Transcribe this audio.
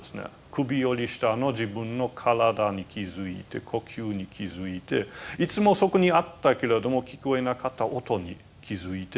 首より下の自分の体に気付いて呼吸に気付いていつもそこにあったけれども聞こえなかった音に気付いて。